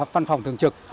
phân phòng thường trực